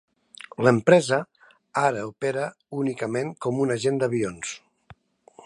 L'empresa ara opera únicament com un agent d'avions.